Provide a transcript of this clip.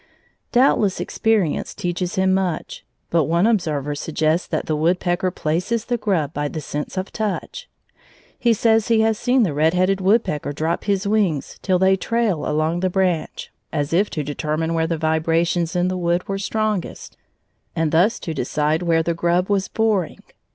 Doubtless experience teaches him much, but one observer suggests that the woodpecker places the grub by the sense of touch. He says he has seen the red headed woodpecker drop his wings till they trailed along the branch, as if to determine where the vibrations in the wood were strongest, and thus to decide where the grub was boring.